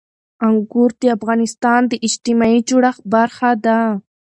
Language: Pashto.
انګور د افغانستان د اجتماعي جوړښت برخه ده.